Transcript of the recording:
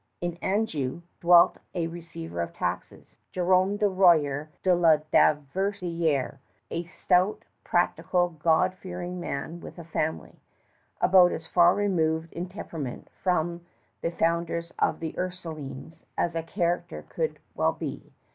In Anjou dwelt a receiver of taxes Jérôme le Royer de la Dauversière, a stout, practical, God fearing man with a family, about as far removed in temperament from the founders of the Ursulines as a character could well be.